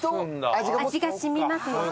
味が染みますので。